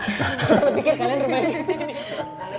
selalu pikir kalian rumahnya di sini